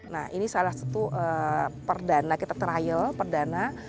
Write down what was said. nah ini salah satu perdana kita trial perdana